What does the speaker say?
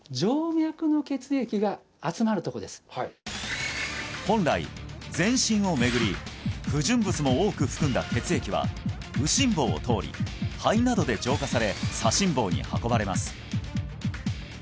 この本来全身を巡り不純物も多く含んだ血液は右心房を通り肺などで浄化され左心房に運ばれます